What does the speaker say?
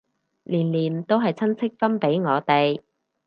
年年都係親戚分俾我哋